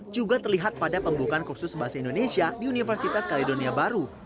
juga terlihat pada pembukaan kursus bahasa indonesia di universitas kaledonia baru